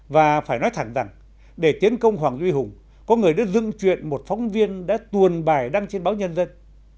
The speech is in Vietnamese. và phải nói thẳng rằng để tiến công hoàng duy hùng có người đã dựng chuyện một phóng viên đã tuồn bài đăng trên báo nhân dân